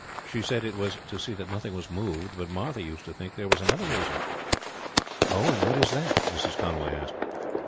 She said it was to see that nothing was moved, but Martha used to think there was another reason." "What is that?" Mrs. Conway asked.